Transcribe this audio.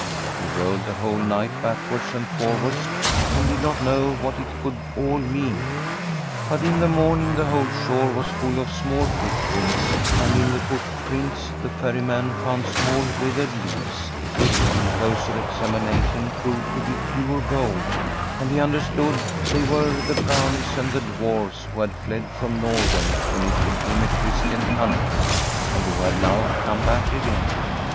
He rowed the whole night backwards and foni^ards, and did not know what it could all mean. But in the morning the whole shore was full of small foot prints, and in the footprints the ferryman found small withered leaves, which on closer examina tion proved to be pure gold, and he understood they were the Brownies and Dwarfs who had fled from Norway when it became a Christian country, and who had now come back again.